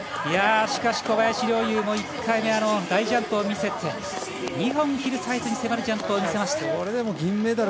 しかし小林陵侑も１回目大ジャンプを見せて２本ヒルサイズに迫るジャンプを見せました。